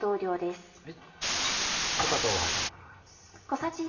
砂糖入ります。